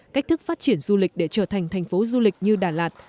cách thức phát triển du lịch để trở thành thành phố du lịch như đà lạt